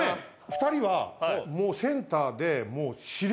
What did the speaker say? ２人はもうセンターで。